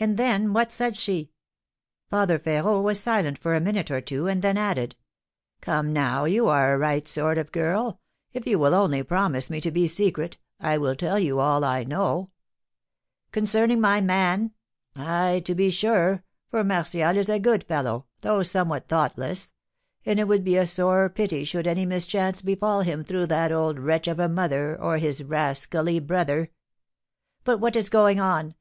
And then and what said she?" Father Férot was silent for a minute or two, and then added: "Come, now, you are a right sort of a girl; if you will only promise me to be secret, I will tell you all I know." "Concerning my man?" "Ay, to be sure, for Martial is a good fellow, though somewhat thoughtless; and it would be a sore pity should any mischance befall him through that old wretch of a mother or his rascally brother!" "But what is going on?